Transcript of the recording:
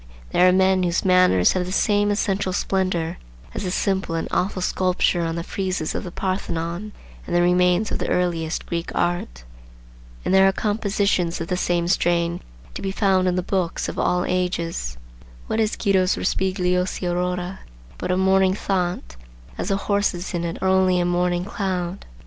There are men whose manners have the same essential splendor as the simple and awful sculpture on the friezes of the Parthenon and the remains of the earliest Greek art. And there are compositions of the same strain to be found in the books of all ages. What is Guido's Rospigliosi Aurora but a morning thought, as the horses in it are only a morning cloud?